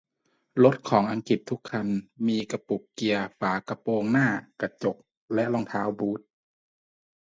รถของอังกฤษทุกคันมีกระปุกเกียร์ฝากระโปรงหน้ากระจกและรองเท้าบูท